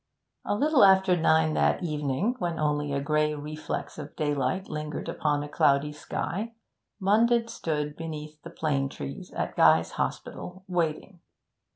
A little after nine that evening, when only a grey reflex of daylight lingered upon a cloudy sky, Munden stood beneath the plane trees by Guy's Hospital waiting.